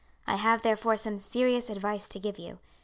I have, therefore, some serious advice to give you.